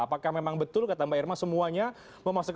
apakah memang betul kata mbak irma semuanya memasuki